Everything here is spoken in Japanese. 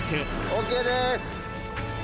ＯＫでーす。